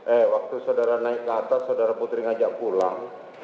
eh waktu saudara naik ke atas saudara putri ngajak pulang